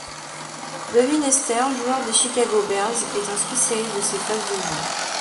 Devin Hester, joueur des Chicago Bears, est un spécialiste de ces phases de jeu.